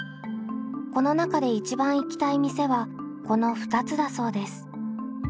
この中で一番行きたい店はこの２つだそうです。